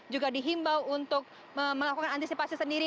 juga dihimbau untuk melakukan antisipasi sendiri